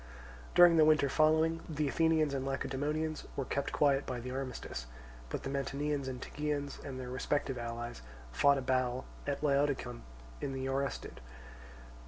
During the winter following, the Athenians and Lacedaemonians were kept quiet by the armistice; but the Mantineans and Tegeans, and their respective allies, fought a battle at Laodicium, in the Oresthid.